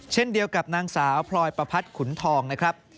เช่นเดียวกับนางสาวพลอยประพัดขุนทองนะครับ